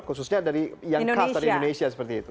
khususnya dari yang khas dari indonesia seperti itu